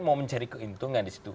mau mencari keuntungan di situ